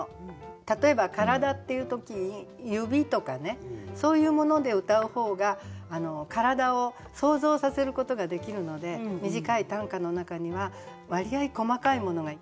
例えば「体」っていう時に「指」とかねそういうものでうたう方が体を想像させることができるので短い短歌の中には割合細かいものが生きるようになっています。